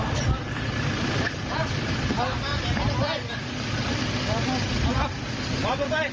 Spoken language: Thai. อันดับสุดท้ายก็คืออันดับสุดท้าย